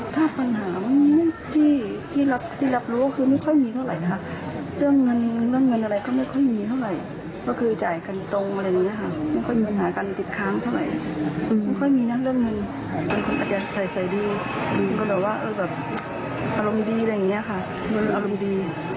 ถ้าปัญหาที่รับรู้คือไม่ค่อยมีเท่าไรค่ะเรื่องเงินอะไรก็ไม่ค่อยมีเท่าไร